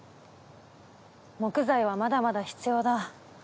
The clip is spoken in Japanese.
木材はまだまだ必要だ。